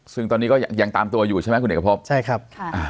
ซึ่งตอนนี้ก็ยังตามตัวอยู่ใช่ไหมคุณเอกพบใช่ครับค่ะ